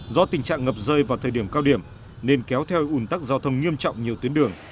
do tình trạng ngập rơi vào thời điểm cao điểm nên kéo theo ủn tắc giao thông nghiêm trọng nhiều tuyến đường